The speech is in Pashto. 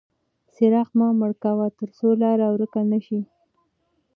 څراغ مه مړ کوه ترڅو لاره ورکه نه شي.